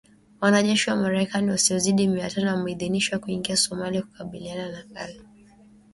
Wanajeshi wa Marekani wasiozidi mia tano wameidhinishwa kuingia Somalia kukabiliana na Al Shabaab